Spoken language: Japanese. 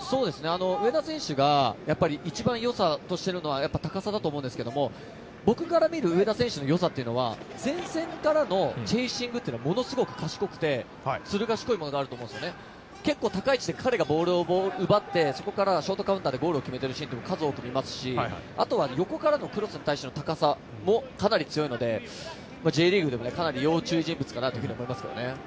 上田選手が一番、良さとしているのは高さだと思うんですけど僕から見る良さっていうのは前線からのチェイシングっていうのが良くてずる賢いものがあると思うんです、結構高い位置でボールを奪ってそこからショートカウンターでゴールを決めているシーンというのは数多く見ますし、あと横からのクロスに対する高さもかなり強いので、Ｊリーグかなり要注意人物かなと思います。